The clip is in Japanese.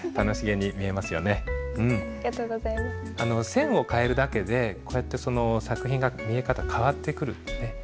線を変えるだけでこうやって作品が見え方が変わってくる。